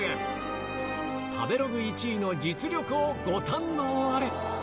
食べログ１位の実力をご堪能あれ。